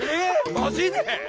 マジで？